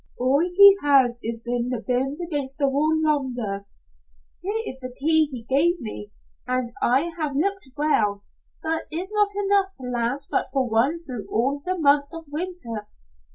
"All he has is in the bins against the wall yonder." "Here is the key he gave me, and I have look well, but is not enough to last but for one through all the months of winter.